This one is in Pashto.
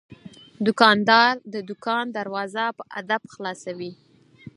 دوکاندار د دوکان دروازه په ادب خلاصوي.